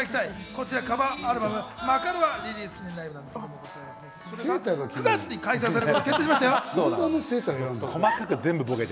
こちらカバーアルバム『マカロワ』はリリース記念ライブが９月に開催されることが決定しましたよ。